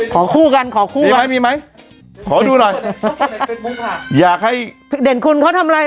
ขอคู่กันขอคู่มีไหมมีไหมขอดูหน่อยอยากให้เด่นคุณเขาทำอะไร